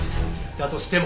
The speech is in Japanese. だとしても。